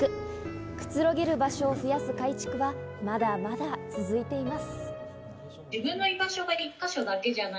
くつろげる場所を増やす改築はまだまだ続いています。